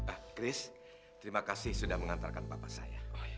ah chris terima kasih sudah mengantarkan bapak saya